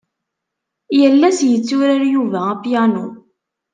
Yal ass yetturar Yuba apianu.